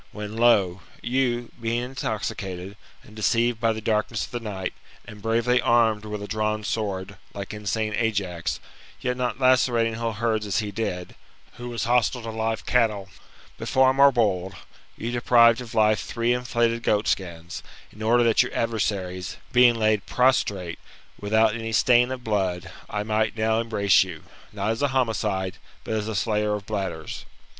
Whetr, lo ! you, being intoxicated, and deceived by the darkness of the night, and bravely armed with a drawn sword, like insane Ajax, yet not lacerating whole herds as he did, who was hostile to live cattle; but far more bold, you deprived of life three inflated goat skins, in order that your adversaries, being laid prostrate, without any stain of blood, I might now embrace you, not as a homicide, but as a slayer of bladders."